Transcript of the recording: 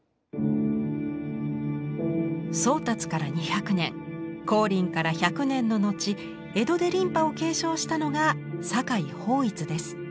宗達から２００年光琳から１００年の後江戸で琳派を継承したのが酒井抱一です。